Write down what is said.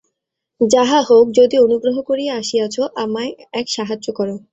যাহা হউক, যদি অনুগ্রহ করিয়া আসিয়াছ আমার এক সাহায্য কর।